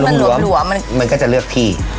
มันก็จะเลือกที่